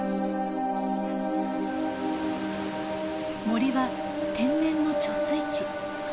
森は天然の貯水池。